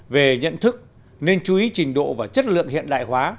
về nhận thức nên chú ý trình độ và chất lượng hiện đại hóa